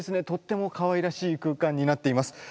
とってもかわいらしい空間になっています。